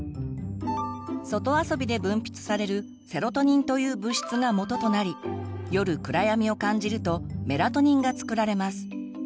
外遊びで分泌されるセロトニンという物質がもととなり夜暗闇を感じるとメラトニンが作られます。